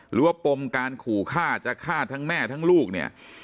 ปมการขู่ฆ่าจะฆ่าทั้งแม่ทั้งลูกเนี่ย